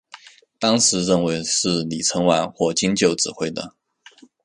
当时认为是李承晚或金九指挥的。